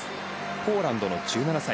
ポーランドの１７歳。